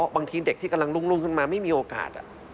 บางทีเด็กที่กำลังรุ่งขึ้นมาไม่มีโอกาส